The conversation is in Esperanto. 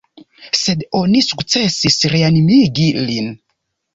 Sed oni sukcesis reanimigi lin.